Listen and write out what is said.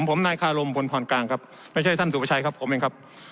ผมนายคารมพลพรกลางครับไม่ใช่ท่านสุประชัยครับผมเองครับ